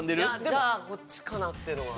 じゃあこっちかなっていうのは。